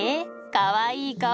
かわいい顔。